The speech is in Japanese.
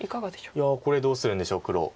いやこれどうするんでしょう黒。